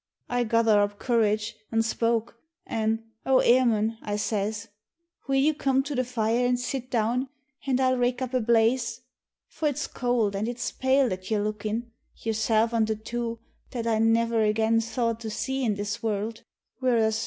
I gother up courage an' spoke, an "O Emun" I says " Will you come to the fire an' sit down, an' I'll rake up a blaze, For it's could an' it's pale that you're lookin', yourself an' the two That I niver again thought to see in this world — wirrasthru